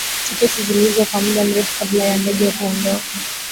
tiketi ziliuzwa kwa muda mrefu kabla ya ndege kuondoka